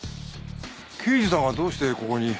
刑事さんがどうしてここに？